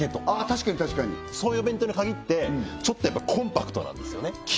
確かに確かにそういう弁当に限ってちょっとやっぱコンパクトなんですよね